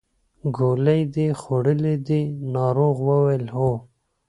ګولۍ دې خوړلې دي ناروغ وویل هو.